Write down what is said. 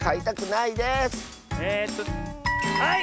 えっとはい！